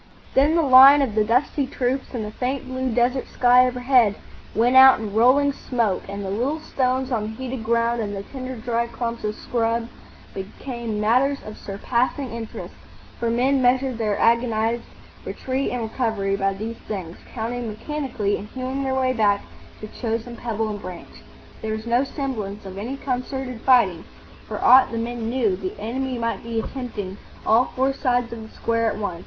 Then the line of the dusty troops and the faint blue desert sky overhead went out in rolling smoke, and the little stones on the heated ground and the tinder dry clumps of scrub became matters of surpassing interest, for men measured their agonised retreat and recovery by these things, counting mechanically and hewing their way back to chosen pebble and branch. There was no semblance of any concerted fighting. For aught the men knew, the enemy might be attempting all four sides of the square at once.